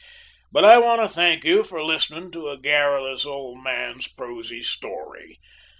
But I want to thank you for listening to a garrulous old man's prosy story.